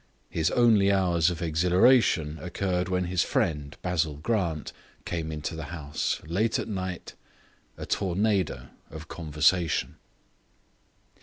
His only hours of exhilaration occurred when his friend, Basil Grant, came into the house, late at night, a tornado of conversation.